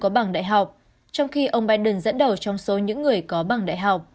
có bằng đại học trong khi ông biden dẫn đầu trong số những người có bằng đại học